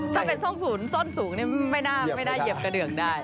ถ้าเป็นส้นสูงส้นสูงนี่ไม่น่าไม่ได้เหยียบกระเดือกได้